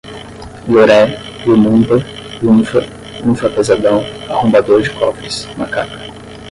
loré, lumumba, lunfa, lunfa pesadão, arrombador de cofres, macaca